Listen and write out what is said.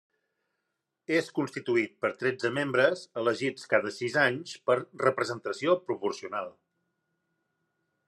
És constituït per tretze membres, elegits cada sis anys per representació proporcional.